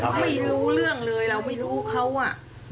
ไม่รู้เรื่องเลยเราไม่รู้เขาอ่ะ